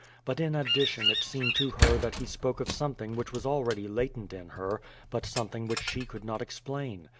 But in addition it seemed to her that he spoke of something which was already latent in her, but something which she could not explain.